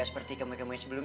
terima kasih sayang